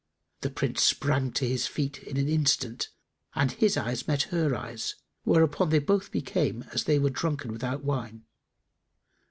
The Prince sprang to his feet in an instant and his eyes met her eyes, whereupon they both became as they were drunken without wine.